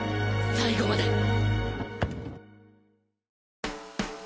最後まで！